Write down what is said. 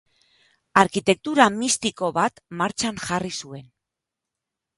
Arkitektura mistiko bat martxan jarri zuen.